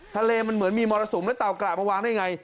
ทะเลมันเหมือนมีมรสุมและเต่ากระมาวางได้ไง